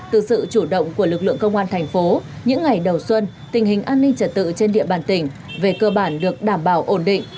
từ sự chủ động của lực lượng công an thành phố những ngày đầu xuân tình hình an ninh trật tự trên địa bàn tỉnh về cơ bản được đảm bảo ổn định